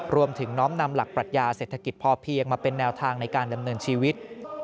น้อมนำหลักปรัชญาเศรษฐกิจพอเพียงมาเป็นแนวทางในการดำเนินชีวิต